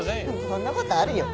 そんなことあるよ。